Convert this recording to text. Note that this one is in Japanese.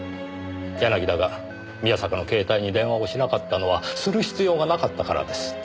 柳田が宮坂の携帯に電話をしなかったのはする必要がなかったからです。